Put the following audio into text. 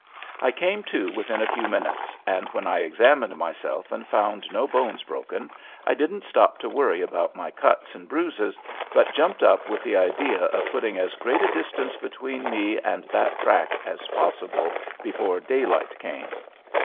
I came to within a few minutes, and when I examined myself and found no bones broken I didn't stop to worry about my cuts and bruises, but jumped up with the idea of putting as great a distance between me and that track as possible before daylight came.